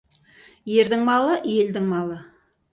Ердің малы — елдің малы.